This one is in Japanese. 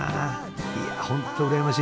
いや本当うらやましい！